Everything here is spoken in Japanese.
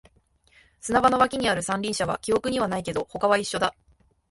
砂場の脇にある三輪車は記憶にはないけど、他は一緒だ